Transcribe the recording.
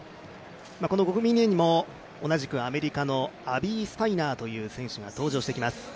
この５組目にも同じくアメリカのアビー・スタイナー選手が登場してきます。